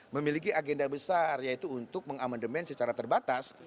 memiliki agenda besar yaitu untuk mengamandemen secara terbatas